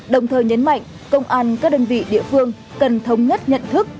đồng thời nhấn mạnh công an các đơn vị địa phương cần thống nhất nhận thức